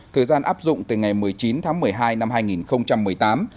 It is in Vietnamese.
thời gian áp dụng từ ngày một mươi chín tháng một mươi hai năm hai nghìn một mươi tám